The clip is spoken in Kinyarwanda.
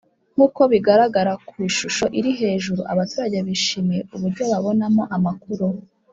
Nk uko bigaragara ku ishusho iri hejuru abaturage bishimiye uburyo babonamo amakuru